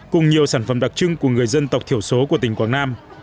cùng nhiều sản phẩm đặc trưng của người dân tộc thiểu số của tỉnh quảng nam